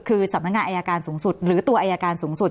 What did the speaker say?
คือสำนักงานอายการสูงสุดหรือตัวอายการสูงสุด